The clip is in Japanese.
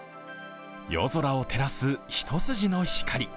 夜空を照らす一筋の光。